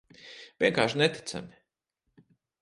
Vienkārši neticami.